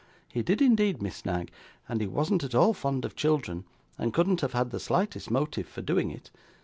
He did indeed, Miss Knag, and he wasn't at all fond of children, and couldn't have had the slightest motive for doing it.